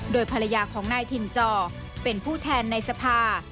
โดยภรรยาของนายถิ่นจอเป็นผู้แทนในสภา